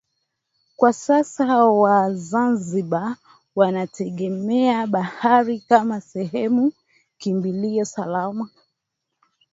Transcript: Kwa sasa Wazanzibar wategemee bahari kama sehemu kimbilio salama